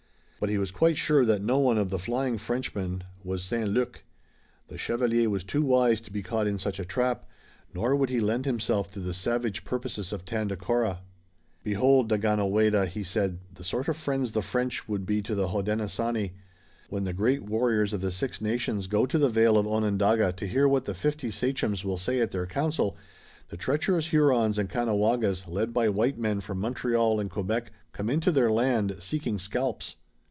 But he was quite sure that no one of the flying Frenchmen was St. Luc. The chevalier was too wise to be caught in such a trap, nor would he lend himself to the savage purposes of Tandakora. "Behold, Daganoweda," he said, "the sort of friends the French would be to the Hodenosaunee. When the great warriors of the Six Nations go to the vale of Onondaga to hear what the fifty sachems will say at their council, the treacherous Hurons and Caughnawagas, led by white men from Montreal and Quebec, come into their land, seeking scalps."